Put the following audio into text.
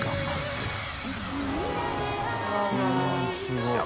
すごい。